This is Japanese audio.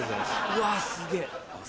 うわすげぇ。